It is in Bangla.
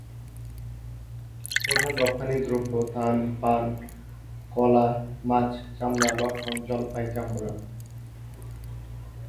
প্রধান রপ্তানিদ্রব্য ধান, পান, কলা, মাছ, চামড়া, লটকন, জলপাই, জাম্বুরা।